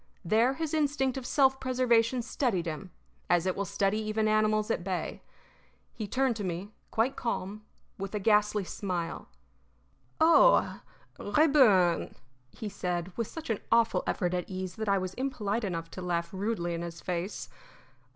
There his instinct of self preservation steadied him, as it will steady even animals at bay. He turned to me, quite calm, with a ghastly smile. "Oh, Rayburn!" he said, with such an awful effort at ease that I was impolite enough to laugh rudely in his face.